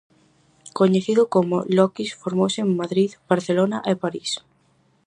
Coñecido como Loquis, formouse en Madrid, Barcelona e París.